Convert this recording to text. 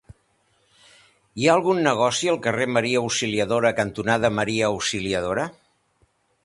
Hi ha algun negoci al carrer Maria Auxiliadora cantonada Maria Auxiliadora?